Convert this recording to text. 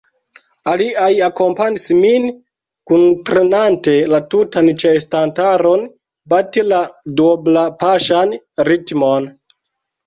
Aliaj akompanis min, kuntrenante la tutan ĉeestantaron bati la duoblapaŝan ritmon.